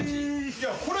いやこれ。